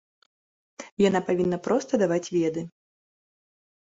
Яна павінна проста даваць веды.